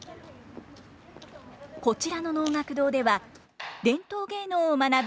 こちらの能楽堂では伝統芸能を学ぶ